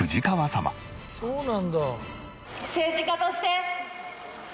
そうなんだ。